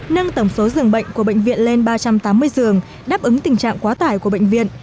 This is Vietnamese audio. nâng tổng số giường bệnh của bệnh viện lên ba trăm tám mươi giường đáp ứng tình trạng quá tải của bệnh viện